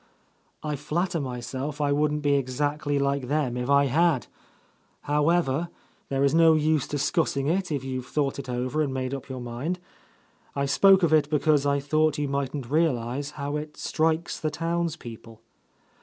"I flatter myself I wouldn't be exactly like — 155 — A Lost Lady them, if I had I However, there is no use dis cussing it, if you've thought it over and made up your mind. I spoke of it because I thought you mightn't realize how it strikes the towns people."